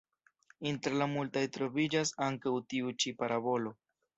Inter la multaj troviĝas ankaŭ tiu ĉi parabolo.